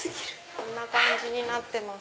こんな感じになってます。